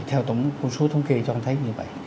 theo tổng số thống kê cho tôi thấy như vậy